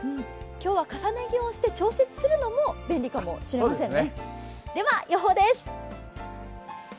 今日は重ね着をして調節をするのも便利かもしれませんね。